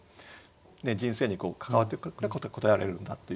人生に関わってくるから答えられるんだというね